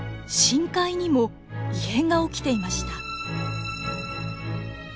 深海にも異変が起きていました。